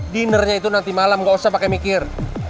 dinnernya itu nanti malam gak usah pakai mikir